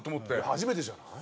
初めてじゃない？